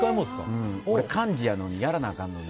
幹事なのに、やらなあかんのに。